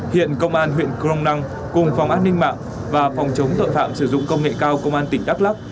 hiện công an huyện crong năng cùng phòng an ninh mạng và phòng chống tội phạm sử dụng công nghệ cao công an tỉnh đắk lắc